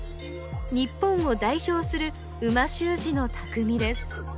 日本を代表する美味しゅう字のたくみです